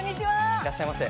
いらっしゃいませ。